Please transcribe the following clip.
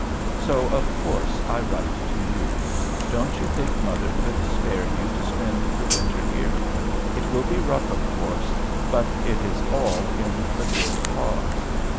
So, of course, I write to you. Don't you think mother could spare you to spend the winter here? It will be rough, of course; but it is all in the good cause.